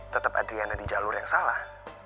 tetep adiana di jalur yang salah